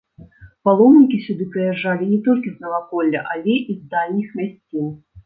Паломнікі сюды прыязджалі не толькі з наваколля, але і з дальніх мясцін.